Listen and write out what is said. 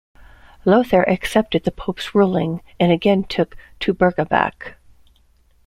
Lothair accepted the pope's ruling and again took Teutberga back.